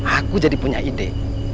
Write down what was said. aku jadi punya ide